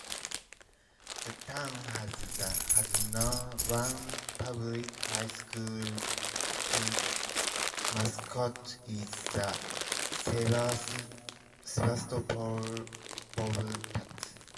The town has one public High School whose mascot is the Sebastopol Bobcats.